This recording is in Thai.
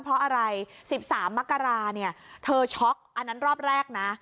เพราะอะไร๑๓มกราเนี่ยเธอช็อกอันนั้นรอบแรกนะ